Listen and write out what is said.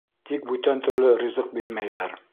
Тик бүтән төрлө ризыҡ бирмәйҙәр.